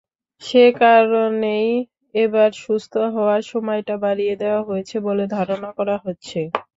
সেকারণেই এবার সুস্থ হওয়ার সময়টা বাড়িয়ে দেওয়া হয়েছে বলে ধারণা করা হচ্ছে।